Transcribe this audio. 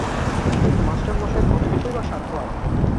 কিন্তু মাস্টারমশায়ের কতটুকুই বা সাধ্য আছে।